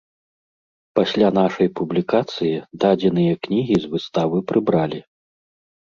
Пасля нашай публікацыі дадзеныя кнігі з выставы прыбралі.